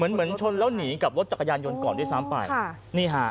เหมือนชนแล้วหนีกับรถจักรยานยนต์ก่อนด้วยซ้ำไป